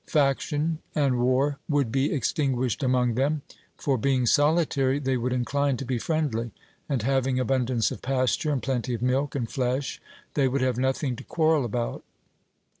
Faction and war would be extinguished among them, for being solitary they would incline to be friendly; and having abundance of pasture and plenty of milk and flesh, they would have nothing to quarrel about.